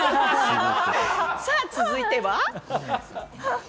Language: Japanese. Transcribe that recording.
さぁ続いては。